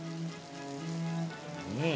うん！